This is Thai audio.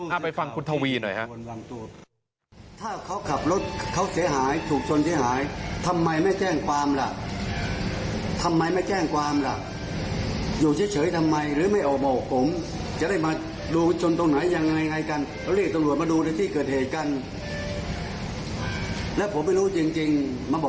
อ้าวไปฟังคุณทวีหน่อยครับ